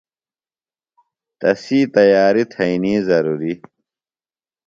تسی تیاریۡ تھئینیۡ ضرُوری۔